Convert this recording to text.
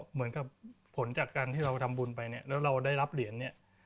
เหมือนกับผลจากการที่เราทำบุญไปเนี่ยแล้วเราได้รับเหรียญเนี่ย